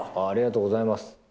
ありがとうございます。